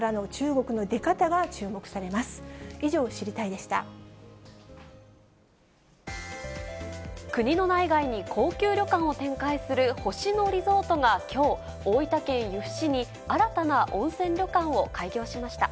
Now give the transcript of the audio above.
国の内外に高級旅館を展開する星野リゾートがきょう、大分県由布市に新たな温泉旅館を開業しました。